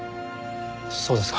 そうですか。